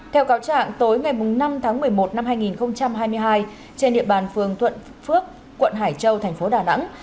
theo cáo trạng tối ngày năm tháng một mươi một năm hai nghìn hai mươi hai trên địa bàn phường thuận phước quận hải châu thành phố đà nẵng